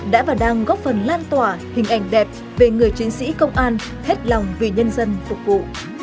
đã và đang góp phần lan tỏa hình ảnh đẹp về người chiến sĩ công an hết lòng vì nhân dân phục vụ